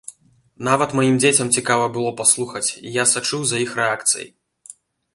Нават маім дзецям цікава было паслухаць, я сачыў за іх рэакцыяй.